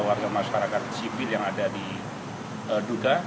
tiga warga masyarakat sipil yang ada di nduga